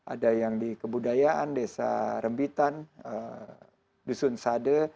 ada yang di kebudayaan desa rembitan dusun sade